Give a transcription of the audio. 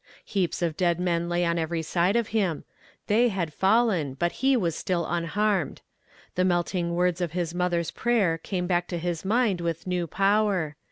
Heaps of dead men lay on every side of him. They had fallen, but he was still unharmed. The melting words of his mother's prayer came back to his mind with new power.